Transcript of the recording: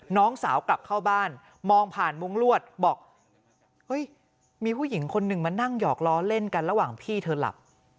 น้องสาวกลับเข้าบ้านมองผ่านมุ้งลวดบอกเฮ้ยมีผู้หญิงคนหนึ่งมานั่งหยอกล้อเล่นกันระหว่างพี่เธอหลับ